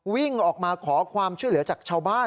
วิ่งออกมาขอความช่วยเหลือจากชาวบ้าน